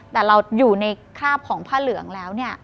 แต่เราอยู่ในคราบของพระเหลืองแล้ว